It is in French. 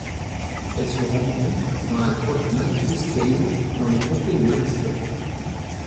Elle se rencontre dans la grotte Matthews Cave dans le comté de Madison.